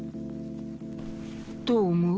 どう思う？